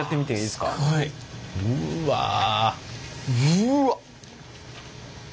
うわっ！